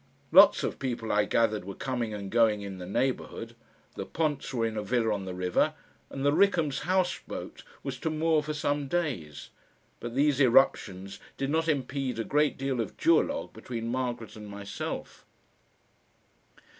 Lots of people, I gathered, were coming and going in the neighbourhood, the Ponts were in a villa on the river, and the Rickhams' houseboat was to moor for some days; but these irruptions did not impede a great deal of duologue between Margaret and myself.